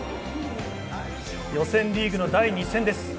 予選リーグの第２戦です。